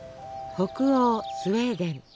北欧スウェーデン。